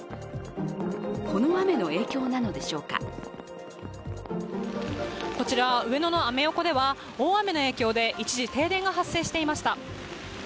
この雨の影響なのでしょうかこちら、上野のアメ横では大雨の影響で一時、停電が発生しました。